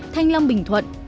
thanh long bình thuận